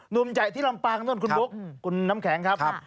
หนุ่มใหญ่ที่ลำปางนู่นคุณบุ๊คคุณน้ำแข็งครับ